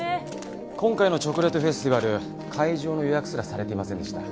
今回のチョコレートフェスティバル会場の予約すらされていませんでした。